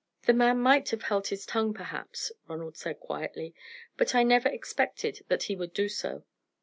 "The man might have held his tongue, perhaps," Ronald said, quietly; "but I never expected that he would do so.